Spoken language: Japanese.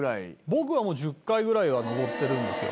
「僕はもう１０回ぐらいは登ってるんですよ」